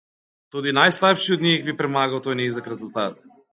Tudi najslabši od njih bi premagal tvoj nizek rezultat.